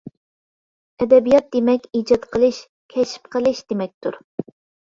ئەدەبىيات دېمەك «ئىجاد قىلىش» ، «كەشىپ قىلىش» دېمەكتۇر.